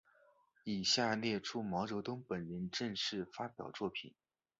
以下列出毛泽东本人正式发表作品。